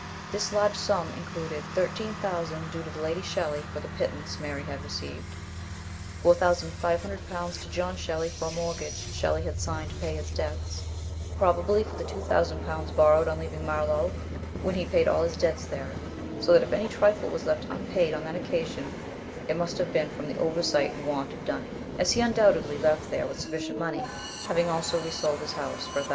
This large sum included 13,000 due to Lady Shelley for " the pittance " Mary had received ; 4,500 to John Shelley for a mortgage Shelley signed to pay his debts, probably for the 2,000 borrowed on leaving Marlow, when he paid all his debts there ; so that if any trifle was left unpaid on that occasion, it must have been from oversight and want of dunning, as he undoubtedly left there with sufficient money, having also resold his house for 1,000.